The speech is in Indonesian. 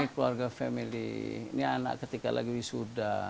keluarga family ini anak ketika lagi wisuda